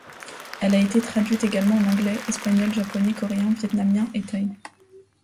Elle a été traduite également en anglais, espagnol, japonais, coréen, vietnamien et thaï.